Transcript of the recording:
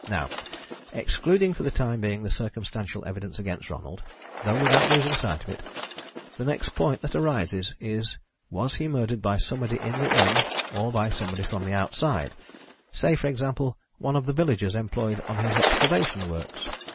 Now, excluding for the time being the circumstantial evidence against Ronald though without losing sight of it the next point that arises is was he murdered by somebody in the inn or by somebody from outside say, for example, one of the villagers employed on his excavation works.